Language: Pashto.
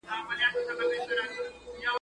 مامي سړو وینو ته اور غوښتی.